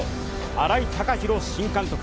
新井貴浩新監督。